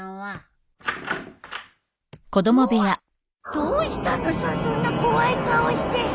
どうしたのさそんな怖い顔して。